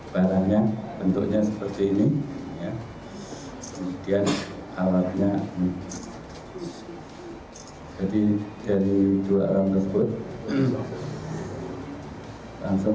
badan narkotika mengamankan satu alat hisap sabu sabu atau bong